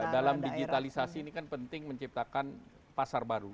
dalam digitalisasi ini kan penting menciptakan pasar baru